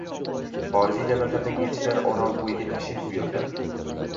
Xorijiy davlatlardagi elchilar Orolbo‘yiga tashrif buyurdi